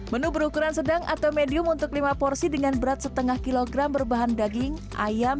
menu berukuran sedang atau medium untuk lima porsi dengan berat setengah kilogram berbahan daging ayam